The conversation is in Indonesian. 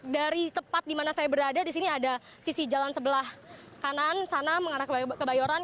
jadi tepat di mana saya berada di sini ada sisi jalan sebelah kanan sana mengarah ke bayoran